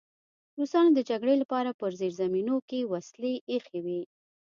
روسانو د جګړې لپاره په زیرزمینیو کې وسلې ایښې وې